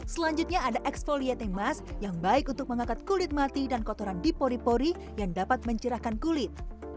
selanjutnya ada exfoliating mask yang baik untuk mengangkat kulit mati dan kotoran di pori pori yang dapat mencerahkan kulit